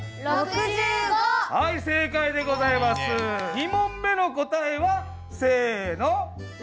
２問目の答えは？せの。